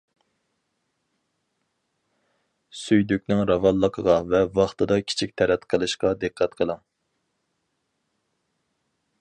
سۈيدۈكنىڭ راۋانلىقىغا ۋە ۋاقتىدا كىچىك تەرەت قىلىشقا دىققەت قىلىڭ.